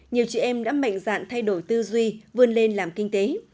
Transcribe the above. nhiều chị em đã mạnh dạn thay đổi tư duy vươn lên làm kinh tế